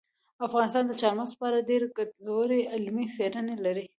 افغانستان د چار مغز په اړه ډېرې ګټورې علمي څېړنې لري.